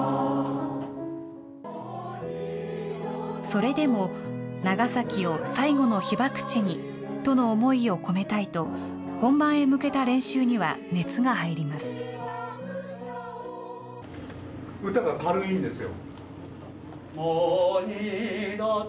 それでも、長崎を最後の被爆地にとの思いを込めたいと、本番へ向けた練習には熱が入ります。